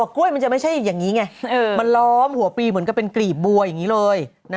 กล้วยมันจะไม่ใช่อย่างนี้ไงมันล้อมหัวปีเหมือนกับเป็นกลีบบัวอย่างนี้เลย